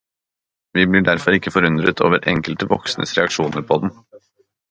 Vi blir derfor ikke forundret over enkelte voksnes reaksjoner på den.